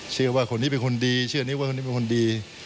เชื่อว่าคนนี้เป็นคนดีเชื่อนี้ว่าคนนี้เป็นคนดี